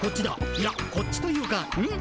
いやこっちというかうん？